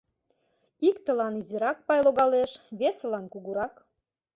Иктылан изирак пай логалеш, весылан кугурак.